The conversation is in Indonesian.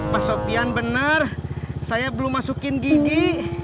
pak sofyan bener saya belum masukin gigi